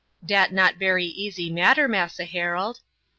"Dat not bery easy matter, Massa Harold.